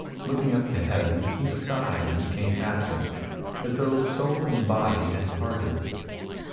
Looking up to heaven, he sighed and became absent, as though soul and body had parted.